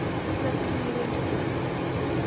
Iza keeniire.